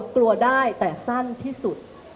กลัวได้แต่สั้นที่สุด